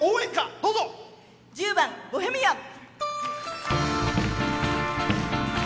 １０番「ボヘミアン」。